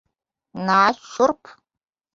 Nāc šurp.